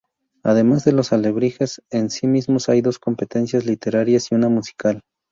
Además de los alebrijes en sí mismos hay dos competencias literarias y una musical.